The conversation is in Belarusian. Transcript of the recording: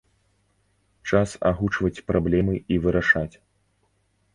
Час агучваць праблемы і вырашаць.